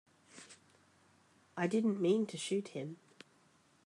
I didn't mean to shoot him.